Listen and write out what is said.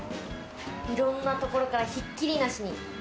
いろんなところから、ひっきりなしに。